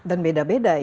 dan beda beda ini